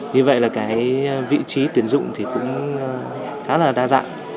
như vậy vị trí tuyển dụng cũng khá là đa dạng